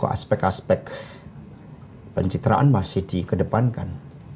aspek aspek pencitraan masih di kedepankan